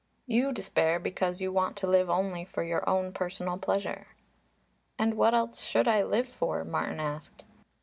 You despair because you want to live only for your own personal pleasure." "And what else should I live for?" Martin asked.